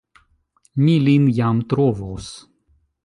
Mi lin jam trovos!